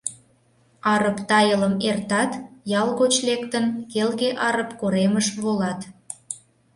Арып тайылым эртат, ял гоч лектын, келге Арып коремыш волат.